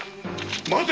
待て！